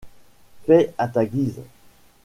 Fais à ta guise.